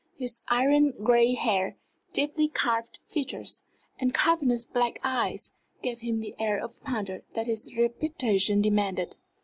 His iron gray hair, deeply carved features, and cavernous black eyes gave him the air of power that his reputation demanded.